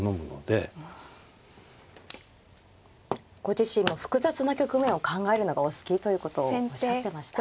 ご自身も複雑な局面を考えるのがお好きということをおっしゃってましたね。